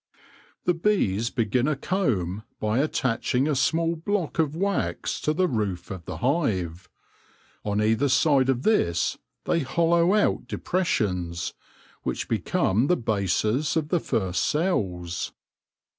The bees begin a comb by attaching a small block of wax to the roof of the hive. On either side of this they hollow out depressions, which become the bases of the first cells.